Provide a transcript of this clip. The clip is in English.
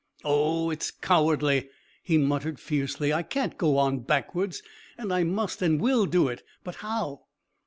"Oh, it's cowardly," he muttered fiercely. "I can't go on backwards, and I must and will do it. But how?"